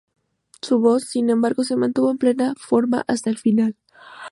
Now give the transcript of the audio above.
Su voz, sin embargo, se mantuvo en plena forma hasta el final.